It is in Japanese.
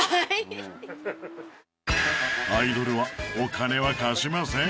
アイドルはお金は貸しません